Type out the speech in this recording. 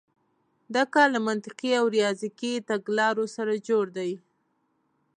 دا کار له منطقي او ریاضیکي تګلارو سره جوړ دی.